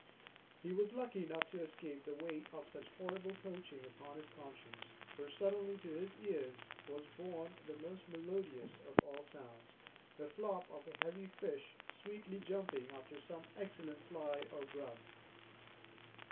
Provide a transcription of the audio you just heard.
He was lucky enough to escape the weight of such horrible poaching upon his conscience; for suddenly to his ears was borne the most melodious of all sounds, the flop of a heavy fish sweetly jumping after some excellent fly or grub.